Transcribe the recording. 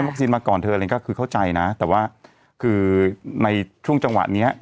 ให้วัคซีนมาก่อนเถอะอะไรอย่างเงี้ยก็คือเข้าใจนะแต่ว่าคือในช่วงจังหวะเนี้ย